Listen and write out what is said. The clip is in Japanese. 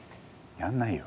やんないよ。